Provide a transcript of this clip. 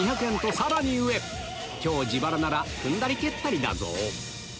今日自腹なら踏んだり蹴ったりだぞ